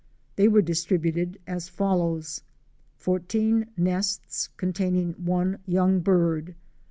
They were distributed as follows: 14 nests contained 1 young bird.